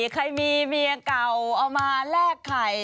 ใครมีเมียเก่าเอามาแลกไข่